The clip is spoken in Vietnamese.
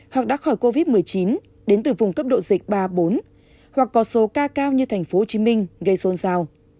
hoặc đã khỏi covid một mươi chín đến từ vùng cấp độ dịch ba bốn hoặc có số ca cao như tp hcm gây xôn giao